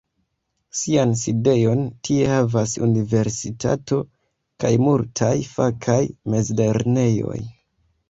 Sian sidejon tie havas Universitato kaj multaj fakaj mezlernejoj.